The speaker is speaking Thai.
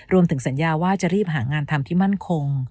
รวมถึงสัญญาว่าจะรีบหางานทำที่มั่นคง